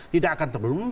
tidak akan terbelunggu